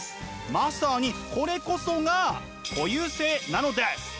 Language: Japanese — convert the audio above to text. まさにこれこそが固有性なのです。